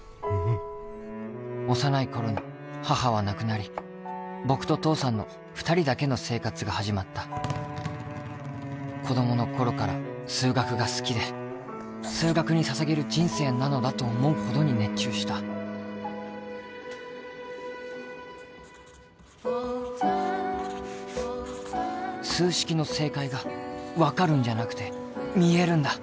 幼い頃に母は亡くなり僕と父さんの２人だけの生活が始まった子どもの頃から数学が好きで数学に捧げる人生なのだと思うほどに熱中した数式の正解が分かるんじゃなくて見えるんだ